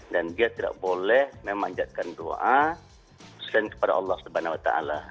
dan dia tidak boleh memanjatkan doa selain kepada allah swt